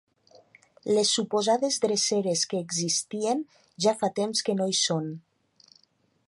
Les suposades dreceres que existien ja fa temps que no hi són.